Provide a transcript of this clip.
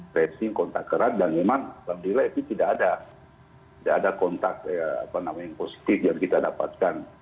tracing kontak erat dan memang alhamdulillah itu tidak ada kontak yang positif yang kita dapatkan